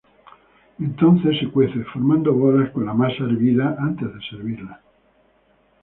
Entonces se cuece, formando bolas con la masa hervida antes de servirla.